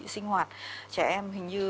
sinh hoạt trẻ em hình như